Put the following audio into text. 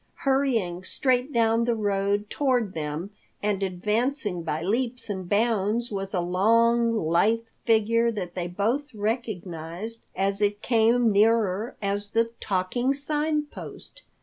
Hurrying straight down the road toward them, and advancing by leaps and bounds was a long, lithe figure that they both recognized as it came nearer as the Talking Sign Post.